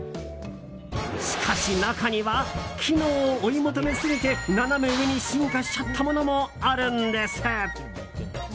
しかし、中には機能を追い求めすぎてナナメ上に進化しちゃったものもあるんです。